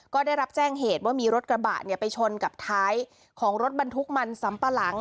ก็ได้รับแจ้งเหตุว่ามีรถกระบะไปชนกับท้ายของรถบรรทุกมันสำปะหลัง